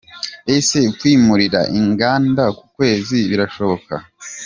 Ese kwimurira inganda ku Kwezi birashoboka ?.